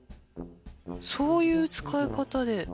そういう使い方で。